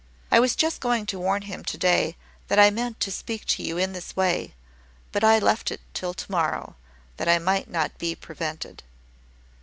I was just going to warn him to day that I meant to speak to you in this way; but I left it till to morrow, that I might not be prevented."